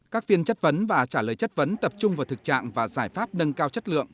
các phiên chất vấn và trả lời chất vấn tập trung vào thực trạng và giải pháp nâng cao chất lượng